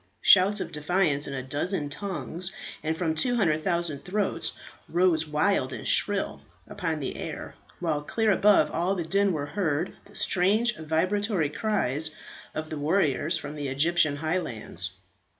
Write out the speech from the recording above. Shouts of defiance in a dozen tongues and from 200,000 throats rose wild and shrill upon the air, while clear above all the din were heard the strange vibratory cries of the warriors from the Egyptian highlands.